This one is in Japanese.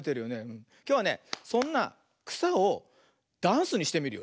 きょうはねそんなくさをダンスにしてみるよ。